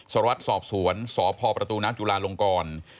สวรรค์สอบสวนสอบพอประตูน้ำจุฬาลงกร